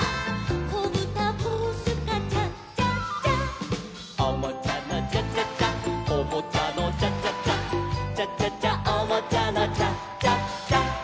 「こぶたブースカチャチャチャ」「おもちゃのチャチャチャおもちゃのチャチャチャ」「チャチャチャおもちゃのチャチャチャ」